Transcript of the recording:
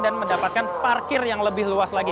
dan mendapatkan parkir yang lebih luas lagi